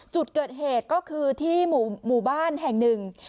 จุดเกิดเหตุก็คือที่หมู่บ้านแห่งหนึ่ง